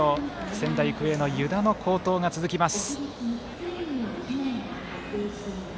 仙台育英の湯田の好投が続きます。